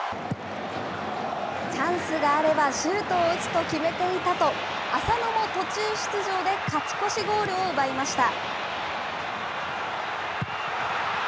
チャンスがあればシュートを打つと決めていたと、浅野も途中出場で勝ち越しゴールを奪いました。